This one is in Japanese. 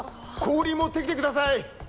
氷持ってきてください！